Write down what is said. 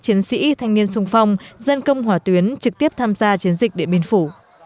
chiến sĩ thanh niên sung phong dân công hỏa tuyến trực tiếp tham gia chiến dịch điện biên phủ